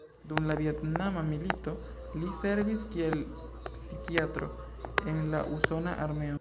Dum la Vjetnama milito li servis kiel psikiatro en la usona armeo.